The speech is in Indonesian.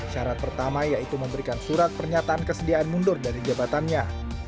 syarat pertama yaitu memberikan surat pernyataan kesediaan mundur dari jabatannya